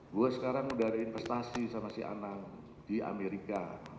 gue sekarang udah ada investasi sama si anang di amerika